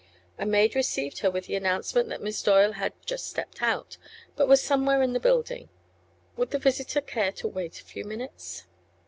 A maid received her with the announcement that Miss Doyle had "just stepped out," but was somewhere in the building. Would the visitor care to wait a few minutes?